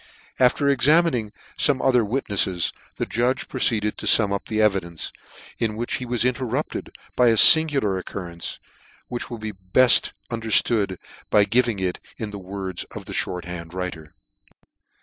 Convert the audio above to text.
After examining fome other witnefies, the judge proceeded to fum up the evidence, in which he was interrupted by a fingular occurrence, which will be beft underftood by our giving it in the words of the Ihort hand writer. O o 2 " My 292 NEW NEWGATE CALANDAR.